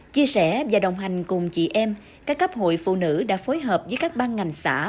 chia sẻ và đồng hành cùng chị em các cấp hội phụ nữ đã phối hợp với các ban ngành xã